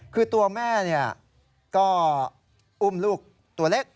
คือตัวแม่ก็อุ้มลูกตัวเล็ก